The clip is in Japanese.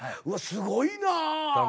すごいなぁ！